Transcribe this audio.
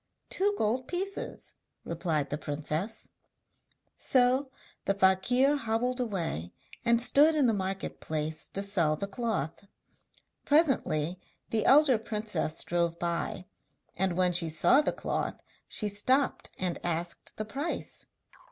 'Two gold pieces,' replied the princess. So the fakir hobbled away, and stood in the market place to sell the cloth. Presently the elder princess drove by, and when she saw the cloth she stopped and asked the price.